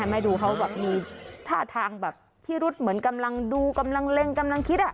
แม่ดูเขาแบบมีท่าทางแบบพิรุษเหมือนกำลังดูกำลังเล็งกำลังคิด